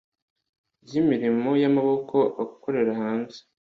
yimirimo yamaboko akorera hanze